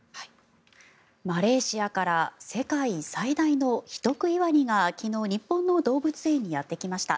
マレーシアから世界最大の人食いワニが昨日、日本の動物園にやってきました。